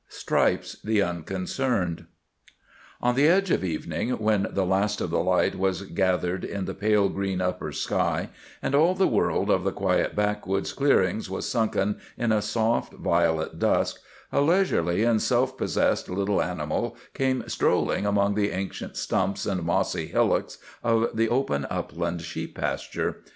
STRIPES THE UNCONCERNED On the edge of evening, when the last of the light was gathered in the pale green upper sky, and all the world of the quiet backwoods clearings was sunken in a soft violet dusk, a leisurely and self possessed little animal came strolling among the ancient stumps and mossy hillocks of the open upland sheep pasture.